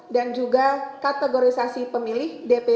dan juga kategorisasi pemilih